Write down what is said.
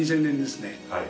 ２０００年ですね。